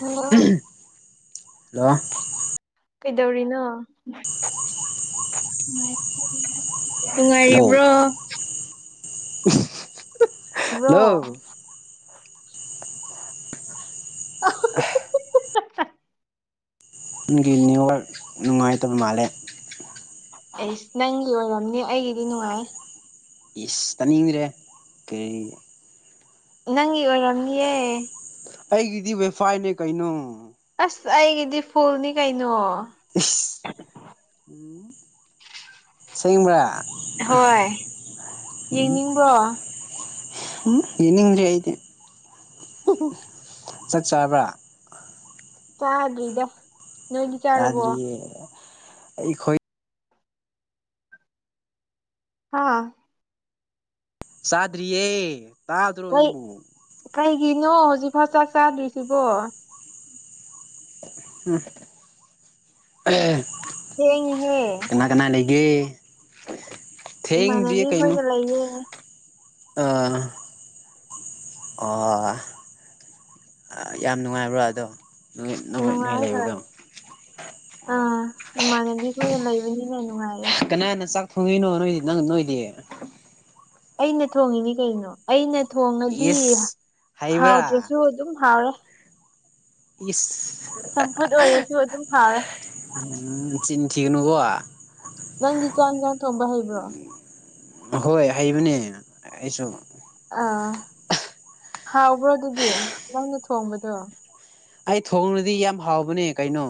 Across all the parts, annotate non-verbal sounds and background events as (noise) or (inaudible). Hello hello ꯀꯩꯗꯧꯔꯤꯅꯣ ꯅꯨꯡꯉꯥꯏꯔꯤꯕ꯭ꯔꯣ (unintelligible) hello (unintelligible) (unintelligible) (unintelligible) ꯅꯪꯒꯤ ꯅ꯭ꯤꯋꯥꯔꯛ ꯅꯨꯡꯉꯥꯏꯇꯕ ꯃꯥꯜꯂꯦ ꯑꯩꯁ ꯅꯪꯒꯤ ꯑꯣꯏꯔꯝꯅꯤ ꯑꯩꯒꯤꯗꯤ ꯅꯨꯡꯉꯥꯏ ꯏꯁ ꯇꯥꯅꯤꯡꯗ꯭ꯔꯦ ꯀꯔꯤ ꯅꯪꯒꯤ ꯑꯣꯏꯔꯝꯅꯤꯌꯦ ꯑꯩꯒꯤꯗꯤ ꯋꯦꯐꯥꯏꯅꯦ ꯀꯩꯅꯣ ꯑꯁ ꯑꯩꯒꯤꯗꯤ ꯐꯨꯜꯅꯤ ꯀꯩꯅꯣ ꯏꯁ ꯎꯝ ꯁꯦꯡꯕ꯭ꯔꯥ ꯍꯣꯏ ꯌꯦꯡꯅꯤꯡꯕ꯭ꯔꯣ ꯎꯝ ꯌꯦꯅꯤꯡꯗꯔꯦ ꯑꯩꯗꯤ (unintelligible) ꯆꯥꯛ ꯆꯥꯔ꯭ꯕꯔꯥ ꯆꯥꯗꯔꯤꯗ ꯆꯥꯗꯔꯤꯌꯦ ꯑꯩꯈꯣꯏ ꯍꯥꯥ ꯆꯥꯗ꯭ꯔꯤꯌꯦ ꯇꯥꯗ꯭ꯔꯣ ꯀꯩ ꯅꯪꯕꯨ ꯀꯩꯒꯤꯅꯣ ꯍꯧꯖꯤꯛꯐꯥꯎ ꯆꯥꯛ ꯆꯥꯗ꯭ꯔꯤꯁꯤꯕꯣ (unintelligible) ꯊꯦꯡꯉꯤꯍꯦ ꯀꯅꯥ ꯀꯅꯥ ꯂꯩꯒꯦ ꯊꯦꯡꯗ꯭ꯔꯤꯌꯦ ꯏꯃꯥꯟꯅꯕꯤ ꯀꯩꯅꯣ ꯍꯣꯏꯒ ꯂꯩꯌꯦ ꯑꯥ ꯑꯣ ꯌꯥꯝ ꯅꯨꯡꯉꯥꯏꯕ꯭ꯔꯥ ꯑꯗꯣ ꯅꯣꯏ ꯅꯣꯏ ꯅꯣꯏ ꯅꯨꯡꯉꯥꯏ ꯍꯣꯏ ꯂꯩꯕꯗꯣ ꯑꯣ ꯑꯥ ꯏꯃꯥꯟꯅꯕꯤ ꯈꯣꯏꯒ ꯂꯩꯕꯅꯤꯅ ꯅꯨꯡꯉꯥꯏꯌꯦ ꯀꯅꯥꯅ ꯆꯥꯛ ꯊꯣꯡꯉꯤꯅꯣ ꯅꯣꯏ ꯅꯪ ꯅꯣꯏꯗꯤ ꯑꯩꯅ ꯊꯣꯡꯉꯤꯅꯤ ꯀꯩꯅꯣ ꯑꯩꯅ ꯊꯣꯡꯉꯗꯤ ꯏꯁ ꯍꯩꯕ꯭ꯔꯥ ꯍꯥꯎꯗ꯭ꯔꯁꯨ ꯑꯗꯨꯝ ꯍꯥꯎꯔꯦ ꯏꯁ ꯆꯝꯐꯨꯠ ꯑꯣꯏꯔꯁꯨ ꯑꯗꯨꯝ ꯍꯥꯎꯔꯦ ꯅꯆꯤꯟ ꯊꯒꯅꯨꯀꯣ ꯅꯪꯗꯤ ꯆꯥꯛ ꯏꯟꯖꯥꯡ ꯊꯣꯡꯕ ꯍꯩꯕ꯭ꯔꯣ ꯍꯣꯏ ꯍꯩꯕꯅꯦ ꯑꯩꯁꯨ ꯑꯥ ꯍꯥꯎꯕ꯭ꯔꯣ ꯑꯗꯨꯗꯤ ꯅꯪꯅ ꯊꯣꯡꯕꯗꯣ ꯑꯩ ꯊꯣꯡꯔꯗꯤ ꯌꯥꯝ ꯍꯥꯎꯕꯅꯦ ꯀꯩꯅꯣ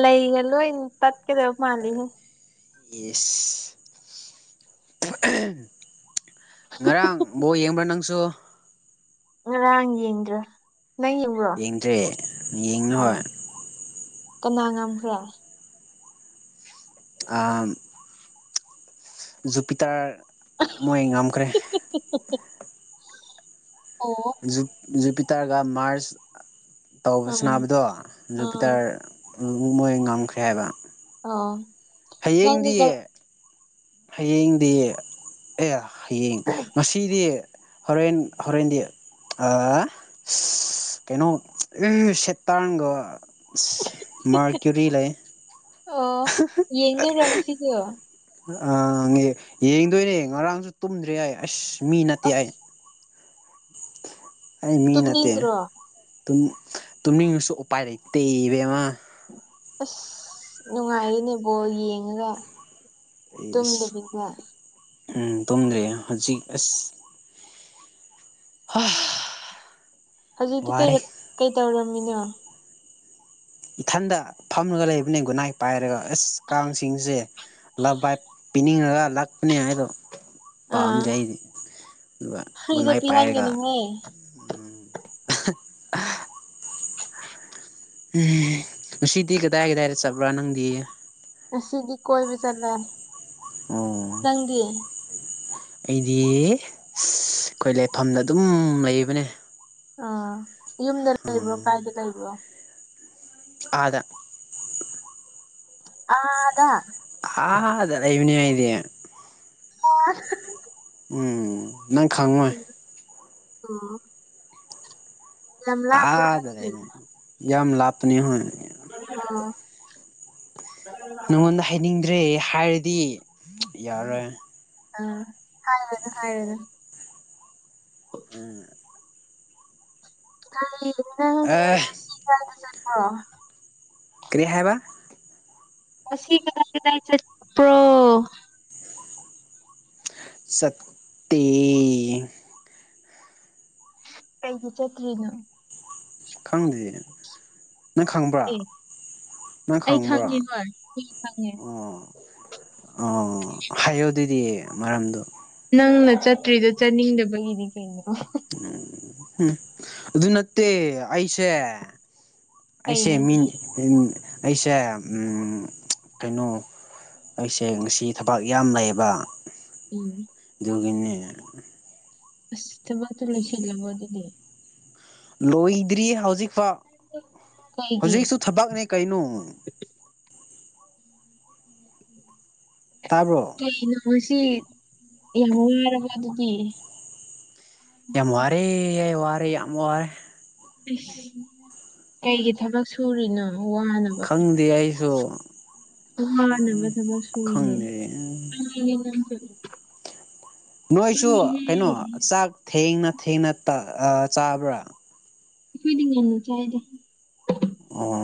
ꯂꯩꯒ ꯂꯣꯏ ꯇꯠꯀꯗꯕ ꯃꯥꯜꯂꯤꯍꯦ ꯏꯁ ꯉꯔꯥꯡ ꯕꯣ ꯌꯦꯡꯕ꯭ꯔꯥ ꯅꯪꯁꯨ ꯉꯔꯥꯡ ꯌꯦꯡꯟꯗꯔꯦ ꯅꯪ ꯌꯦꯡ ꯌꯦꯡꯗ꯭ꯔꯦ ꯌꯦꯡꯅꯣꯏ ꯀꯅꯥ ꯉꯝꯈ꯭ꯔꯦ ꯑꯥꯝ ꯖꯨꯄꯤꯇꯔ ꯃꯣꯏ ꯉꯝꯈ꯭ꯔꯦ ꯑꯣ ꯖꯨꯞ ꯖꯨꯄꯤꯇꯔꯒ ꯃꯥꯔꯁ ꯇꯧꯕ ꯑꯥ ꯁꯅꯥꯕꯗꯣ ꯑꯥ ꯖꯨꯄꯤꯇꯔ ꯃꯣꯏ ꯉꯝꯈ꯭ꯔꯦ ꯍꯥꯏꯕ ꯑ ꯍꯌꯦꯡꯗꯤꯌꯦ ꯍꯌꯦꯡꯗꯤꯌꯦ ꯑꯦ ꯍꯌꯦꯡ ꯉꯁꯤ ꯏꯗꯤ ꯍꯣꯔꯦꯟ ꯍꯣꯔꯦꯟꯗꯤ ꯑ ꯀꯩꯅꯣ ꯁꯦꯠ ꯇꯔꯥꯡꯒꯣ ꯃꯥꯔ ꯀꯔꯤ ꯂꯩ ꯑꯣ ꯌꯦꯡꯗꯣꯏꯔꯣ ꯉꯁꯤꯁꯨ ꯑ ꯌꯦꯡꯗꯣꯏꯅꯦ ꯉꯔꯥꯡꯁꯨ ꯇꯨꯝꯗ꯭ꯔꯦ ꯑꯥꯏ ꯑꯁ ꯃꯤ ꯅꯠꯇꯦ ꯑꯩ ꯑꯁ ꯑꯩ ꯃꯤ ꯅꯠꯇꯦ ꯇꯨꯝꯅꯤꯡꯗ꯭ꯔꯣ ꯇꯨꯝ ꯇꯨꯝꯅꯤꯡꯔꯁꯨ ꯎꯄꯥꯏ ꯂꯩꯇꯦ ꯏꯕꯦꯃꯥ ꯑꯁ ꯅꯨꯡꯉꯥꯏꯌꯦꯅꯦꯕꯣ ꯌꯦꯡꯉꯒ ꯑꯩꯁ ꯇꯨꯝꯗꯕꯤꯗ ꯎꯝ ꯇꯨꯝꯗ꯭ꯔꯦ ꯍꯧꯖꯤꯛ ꯑꯁ ꯍꯥ ꯍꯧꯖꯤꯛꯇꯤ ꯀꯩ ꯀꯩ ꯇꯧꯔꯝꯃꯤꯅꯣ ꯏꯊꯟꯗ ꯐꯝꯂꯒ ꯂꯩꯕꯅꯤ ꯒꯨꯠꯅꯥꯏꯠ ꯄꯥꯏꯔꯒ ꯑꯁ ꯀꯥꯡꯁꯤꯡꯁꯦ ꯂꯞ ꯕꯥꯏ ꯄꯤꯅꯤꯡꯉꯒ ꯂꯥꯛꯄꯅꯦ ꯍꯥꯏꯗꯣ ꯑꯥ ꯄꯥꯝꯗꯦ ꯑꯩꯗꯤ ꯑꯗꯨꯒ ꯒꯨꯟꯅꯥꯏꯠ ꯄꯥꯏꯔꯒ ꯍꯦ ꯎꯝ ꯉꯁꯤꯗꯤ ꯀꯗꯥꯏ ꯀꯗꯥꯏꯗ ꯆꯠꯕ꯭ꯔꯥ ꯅꯪꯗꯤ ꯉꯁꯤꯗꯤ ꯀꯣꯏꯕ ꯆꯠꯂꯦ ꯑꯣ ꯅꯪꯗꯤ ꯑꯩꯗꯤ ꯑꯩꯈꯣꯏ ꯂꯩꯐꯝꯗ ꯑꯗꯨꯝ ꯂꯩꯕꯅꯦ ꯑꯥ ꯌꯨꯝꯗ ꯂꯩꯕ꯭ꯔꯣ ꯀꯥꯏꯗ ꯂꯩꯕ꯭ꯔꯣ ꯑꯥꯗ ꯑꯥꯗ ꯑꯥꯗ ꯂꯩꯕꯅꯦ ꯑꯩꯗꯤ (inaudible) ꯎꯝ ꯅꯪ ꯈꯪꯉꯣꯏ ꯎꯝ ꯑꯥꯗ ꯍꯥꯏꯁꯦ ꯂꯩꯕꯅꯦ ꯌꯥꯝ ꯂꯥꯄꯅꯤ ꯍꯣꯏ ꯑꯣ ꯅꯪꯉꯣꯟꯗ ꯍꯥꯏꯅꯤꯡꯗ꯭ꯔꯦ ꯍꯥꯏꯔꯗꯤ ꯌꯥꯔꯣꯏ ꯑ ꯍꯥꯏꯔꯨꯅꯨ ꯍꯥꯏꯔꯨꯅꯨ ꯎꯝ ꯀꯔꯤ ꯅꯪꯗꯤ ꯑꯦ ꯉꯁꯤ ꯀꯥꯏꯗ ꯆꯠꯄꯔꯣ ꯀ꯭ꯔꯤ ꯍꯥꯏꯕ ꯉꯁꯤ ꯀꯗꯥꯏ ꯀꯗꯥꯏ ꯆꯠꯄ꯭ꯔꯣ ꯆꯠꯇꯦ ꯀꯩꯒꯤ ꯆꯠꯇ꯭ꯔꯤꯅꯣ ꯈꯪꯗꯤꯌꯦ ꯅꯪ ꯈꯪꯕ꯭ꯔꯥ ꯑꯦ ꯅꯪ ꯑꯩ ꯈꯪꯕ꯭ꯔꯥ ꯈꯪꯉꯦ ꯍꯣꯏ ꯑꯩ ꯈꯪꯉꯦ ꯑꯣ ꯑꯣ ꯍꯥꯏꯌꯣ ꯑꯗꯨꯗꯤ ꯃꯔꯝꯗꯣ ꯅꯪꯅ ꯆꯠꯇ꯭ꯔꯤꯗꯣ ꯆꯠꯅꯤꯡꯗꯕꯒꯤꯅꯤ ꯀꯩꯩꯅꯣ ꯎꯝ ꯑꯗꯨ ꯅꯠꯇꯦ ꯑꯩꯁꯦ ꯑꯩꯁꯦ ꯀꯩꯅꯣ ꯃꯤ ꯑꯗꯨꯗꯤ ꯑꯩꯁꯦ ꯎꯝ ꯀꯩꯅꯣ ꯑꯩꯁꯦ ꯉꯁꯤ ꯊꯕꯛ ꯌꯥꯝ ꯂꯩꯌꯦꯕ ꯎꯝ ꯗꯨꯒꯤꯅꯦ ꯑꯁ ꯊꯕꯛꯇꯨ ꯂꯣꯏꯁꯤꯜꯂꯣꯕꯒꯤꯅꯦ ꯂꯣꯏꯗ꯭ꯔꯤ ꯍꯧꯖꯤꯛꯐꯥꯎ ꯀꯩꯒꯤ ꯍꯧꯖꯤꯛꯁꯨ ꯊꯕꯛꯅꯦ ꯀꯩꯅꯣ ꯇꯥꯕ꯭ꯔꯣ ꯀꯩꯅꯣ ꯉꯁꯤ ꯌꯥꯝ ꯋꯥꯔꯕ ꯑꯗꯨꯗꯤ ꯌꯥꯝ ꯋꯥꯔꯦ ꯌꯥꯏ ꯋꯥꯔꯦ ꯌꯥꯝ ꯋꯥꯔꯦ ꯑꯁ ꯀꯩꯒꯤ ꯊꯕꯛ ꯁꯨꯔꯤꯅꯣ ꯋꯥꯅꯣ ꯕ ꯈꯪꯗꯦ ꯑꯩꯁꯨ ꯋꯥꯅꯕ ꯊꯕꯛ ꯁꯨꯋꯤꯅꯦ ꯈꯪꯗꯦ (inaudible) ꯅꯣꯏꯁꯨ ꯀꯩꯅꯣ ꯆꯥꯛ ꯊꯦꯡꯅ ꯊꯦꯡꯅ ꯇꯥ ꯑ ꯆꯥꯕ꯭ꯔꯥ ꯑꯈꯣꯏꯗꯤ ꯉꯟꯅ ꯆꯥꯏꯗ ꯑꯣ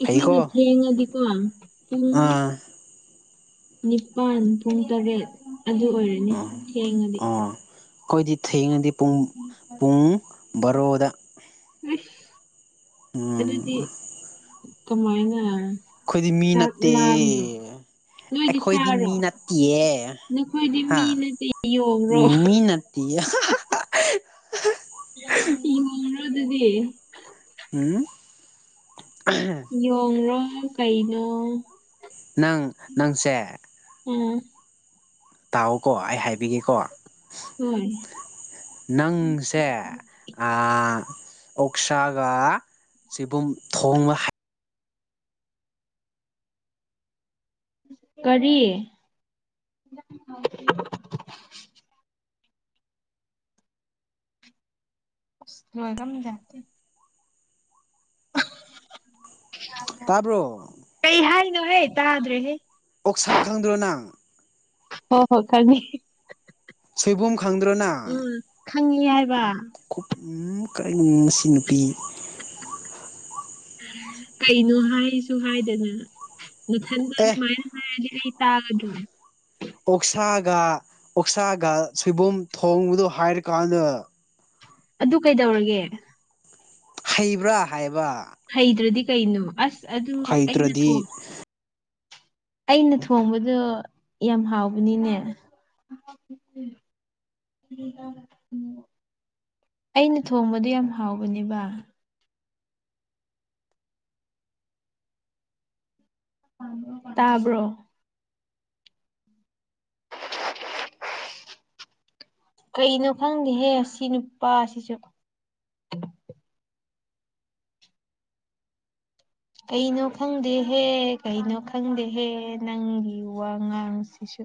ꯑꯩꯈꯣꯏꯅ ꯐꯩꯀꯣ ꯊꯦꯡꯉꯗꯤꯀꯣ ꯄꯨꯡ ꯑꯥ ꯅꯤꯄꯥꯟ ꯄꯨꯡ ꯇꯔꯦꯠ ꯑꯗꯨ ꯑꯣꯏꯔꯅꯤ ꯊꯦꯡꯉꯗꯤ ꯑꯈꯣꯏꯗꯤ ꯊꯦꯡꯉꯗꯤ ꯄꯨꯡ ꯄꯨꯡ ꯕꯥꯔꯣꯗ ꯑꯁ ꯎꯝ ꯑꯗꯨꯗꯤ ꯀꯃꯥꯏꯅ ꯑꯈꯣꯏꯗꯤ ꯃꯤ ꯆꯥꯛ ꯅꯠꯇꯦ ꯂꯥꯝꯗ꯭ꯔꯣ ꯅꯣꯏꯗꯤ ꯑꯩꯈꯣꯏꯗꯤ ꯁꯥꯔꯣ ꯃꯤ ꯅꯠꯇꯤꯌꯦ ꯅꯈꯣꯏꯗꯤ ꯍꯥ ꯃꯤ ꯅꯠꯇꯦ ꯌꯣꯡꯔꯣ ꯃꯤꯅꯠ ꯌꯥꯍꯥ ꯌꯣꯡꯔꯣ ꯑꯗꯨꯗꯤ ꯎꯝ ꯌꯣꯡꯔꯣ ꯀꯩꯅꯣ ꯅꯪ ꯅꯪꯁꯦ ꯑꯥ ꯇꯥꯎꯀꯣ ꯑꯩ ꯍꯥꯏꯕꯤꯒꯦꯀꯣ ꯍꯣꯏ ꯅꯪꯁꯦ ꯑꯥ ꯑꯣꯛꯁꯥꯒ ꯁꯤꯕꯨꯝ ꯊꯣꯡꯕ꯫ ꯀꯔꯤ꯫ (unintelligible) ꯇꯥꯕ꯭ꯔꯣ ꯀꯩ ꯍꯥꯏꯅꯣꯍꯦ ꯇꯥꯗꯔꯦꯍꯦ꯫ ꯑꯣꯛꯁꯥ ꯈꯪꯗꯔꯣ ꯅꯪ ꯍꯣꯏ ꯍꯣꯏ ꯈꯪꯉ ꯁꯣꯏꯕꯨꯝ ꯈꯪꯗ꯭ꯔꯣ ꯎꯝ ꯈꯪꯉꯤ ꯍꯥꯏꯕ꯫ (inaudible) ꯀꯔꯤꯅꫭ ꯃꯁꯤ ꯅꯨꯄꯤ꯫ ꯀꯩꯅꯣ ꯍꯥꯏꯁꯨ ꯍꯥꯏꯗꯅ꯫ ꯃꯊꯟꯗ ꯑꯦ ꯑꯗꯨꯃꯥꯏꯅ ꯍꯥꯏꯔꯗꯤ ꯑꯩ ꯇꯥꯒꯗ꯭ꯔꯣ꯫ ꯑꯣꯛꯁꯥꯒ ꯑꯣꯛꯁꯥꯒ ꯁꯣꯏꯕꯨꯝ ꯊꯣꯡꯕꯗꯣ ꯍꯥꯏꯔꯀꯥꯟꯗ꯫ ꯑꯗꯨ ꯀꯩꯗꯧꯔꯒꯦ ꯫ ꯈꯩꯕꯔꯥ ꯍꯥꯏꯕꯥ꯫ ꯍꯩꯗ꯭ꯔꯗꯤ ꯀꯩꯅꯣ ꯑꯁ ꯑꯗꯨ ꯑꯩꯅ ꯍꯩꯇ꯭ꯔꯗꯤ ꯊꯣꯡꯉ ꯑꯩꯅ ꯊꯣꯡꯕꯗꯣ ꯌꯥꯝ ꯍꯥꯎꯕꯅꯤꯅꯦ꯫ (unintelligible) ꯑꯩꯅ ꯊꯣꯡꯕꯗꯤ ꯌꯥꯝ ꯍꯥꯎꯕꯅꯦꯕ꯫ ꯇꯥꯕ꯭ꯔꯣ ꯀꯩꯅꯣ ꯈꯪꯗꯦꯍꯦ ꯁꯤ ꯅꯨꯄꯥꯁꯤꯁꯨ꯫ ꯀꯩꯅꯣ ꯈꯪꯗꯦꯍꯦ ꯀꯩꯅꯣ ꯈꯪꯗꯦꯍꯦ ꯅꯪꯒꯤ ꯋꯥ ꯉꯥꯡꯁꯤꯁꯨ꯫